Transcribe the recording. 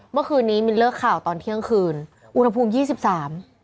เมื่อคืนนี้มินเลิกข่าวตอนเที่ยงคืนอุณหภูมิยี่สิบสาม